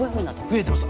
増えてます。